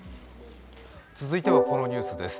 続いてはこのニュースです。